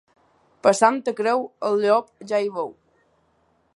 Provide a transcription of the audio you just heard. Per Santa Creu, el llop ja hi veu.